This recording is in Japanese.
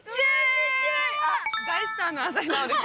大スターの朝日奈央です